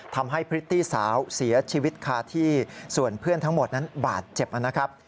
ทำให้พริตตี้สาวเสียชีวิตค่าที่ส่วนเพื่อนทั้งหมดนั้นบาดเจ็บ